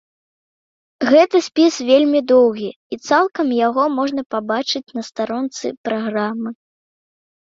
Гэты спіс вельмі доўгі, і цалкам яго можна пабачыць на старонцы праграмы.